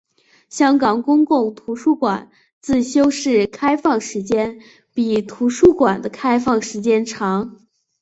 香港公共图书馆自修室开放时间比图书馆的开放时间长。